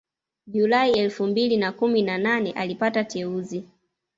Julai elfu mbili na kumi na nane alipata teuzi